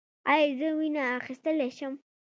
ایا زه وینه اخیستلی شم؟